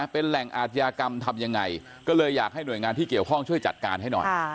เป็นแหล่งอาทยากรรมทำยังไงก็เลยอยากให้หน่วยงานที่เกี่ยวข้องช่วยจัดการให้หน่อย